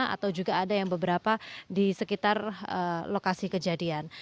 atau juga ada yang beberapa di sekitar lokasi kejadian